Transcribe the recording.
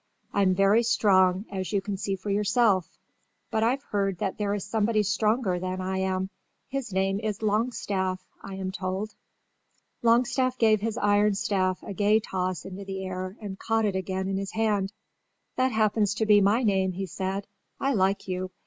"I'm very strong, as you can see for yourself, but I've heard that there is somebody stronger than I am. His name is LONGSTAFF, I am told." Longstaff gave his iron staff a gay toss into the air and caught it again in his hand. "That happens to be my name," he said. "I like you.